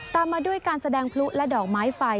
ตามมาด้วยการแสดงพลุและดอกไม้ไฟ